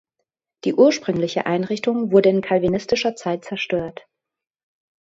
Die ursprüngliche Einrichtung wurde in calvinistischer Zeit zerstört.